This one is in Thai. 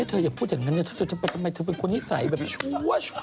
อย่าพูดอย่างนั้นเลยทำไมเธอเป็นคนนิสัยแบบชั่ว